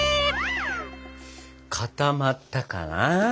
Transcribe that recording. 固まったかな。